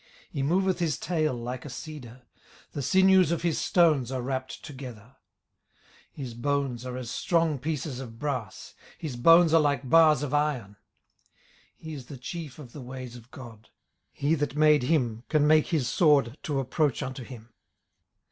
18:040:017 He moveth his tail like a cedar: the sinews of his stones are wrapped together. 18:040:018 His bones are as strong pieces of brass; his bones are like bars of iron. 18:040:019 He is the chief of the ways of God: he that made him can make his sword to approach unto him.